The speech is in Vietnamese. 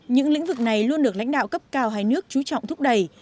những lĩnh vực này luôn được lãnh đạo cấp cao hai nước chú trọng thúc đẩy